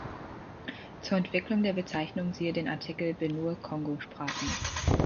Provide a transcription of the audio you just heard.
Zur Entwicklung der Bezeichnung siehe den Artikel Benue-Kongo-Sprachen.